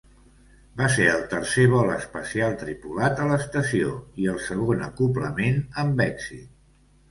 Va ser el tercer vol espacial tripulat a l'estació, i el segon acoblament amb èxit.